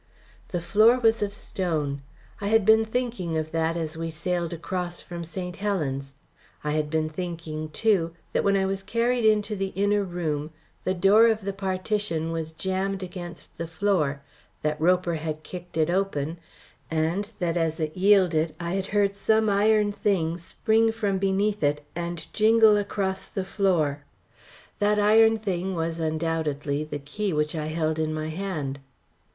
The floor was of stone. I had been thinking of that as we sailed across from St. Helen's. I had been thinking, too, that when I was carried into the inner room the door of the partition was jambed against the floor, that Roper had kicked it open, and that, as it yielded, I had heard some iron thing spring from beneath it and jingle across the floor. That iron thing was, undoubtedly, the key which I held in my hand.